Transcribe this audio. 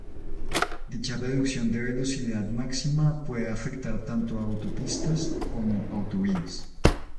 Dicha reducción de velocidad máxima puede afectar tanto a autopistas como autovías.